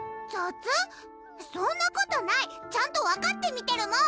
そんなことない！ちゃんと分かって見てるもん！